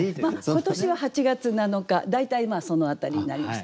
今年は８月７日大体その辺りになります。